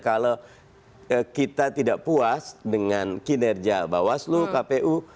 kalau kita tidak puas dengan kinerja bawaslu kpu